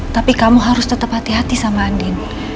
tapi kamu harus tetap hati hati sama andin